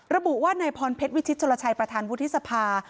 ระบุว่านายพรเพชรวิชิตชนลชัยประธานวุฒิสภา